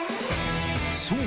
そう！